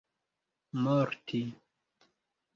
morti